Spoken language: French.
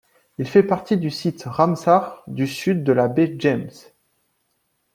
Il fait partie du site Ramsar du sud de la baie James.